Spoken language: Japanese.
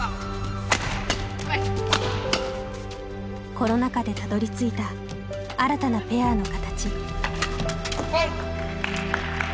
コロナ禍でたどりついた新たなペアの形。